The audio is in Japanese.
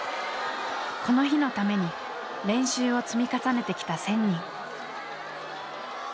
この日のために練習を積み重ねてきた１，０００人。